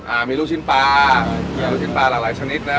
อ่ามีลูกชิ้นปลาอ่าลูกชิ้นปลาหลากหลายชนิดนะฮะ